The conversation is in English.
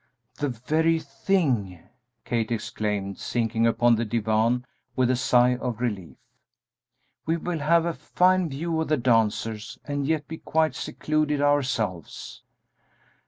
"The very thing!" Kate exclaimed, sinking upon the divan with a sigh of relief; "we will have a fine view of the dancers and yet be quite secluded ourselves."